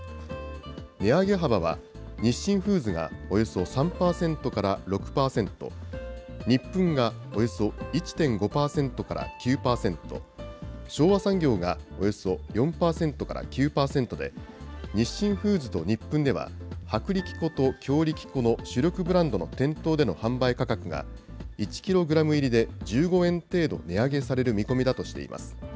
値上げ幅は、日清フーズがおよそ３％から６％、ニップンがおよそ１．５％から９％、昭和産業がおよそ４％から９％で、日清フーズとニップンでは、薄力粉と強力粉の主力ブランドの店頭での販売価格が、１キログラム入りで１５円程度値上げされる見込みだとしています。